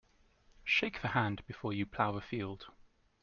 Shake the hand before you plough the field.